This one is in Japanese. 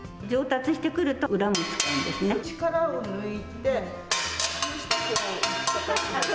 力を抜いて。